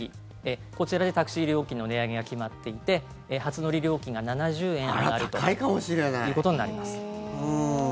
こちらでタクシー料金の値上げが決まっていて初乗り料金が７０円ほど高くなるということになります。